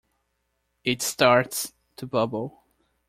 It starts to bubble.